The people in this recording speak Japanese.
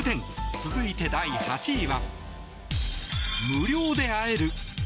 続いて第８位は。